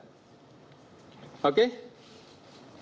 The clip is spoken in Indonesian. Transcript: pak nanti saya nanti kembangkan panglima atau pak